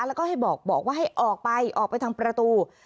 แล้วก็ให้บอกว่าให้ออกไปออกไปทางประตู